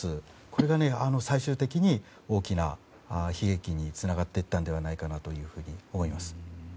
これが最終的に大きな悲劇につながっていったのではないかと思います。